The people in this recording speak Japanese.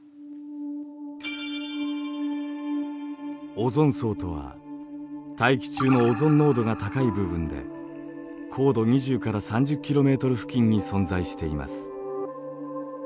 オゾン層とは大気中のオゾン濃度が高い部分で高度２０から３０ｋｍ付近に存在しています。